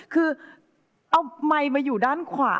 คือเอาไมค์มาอยู่ด้านขวา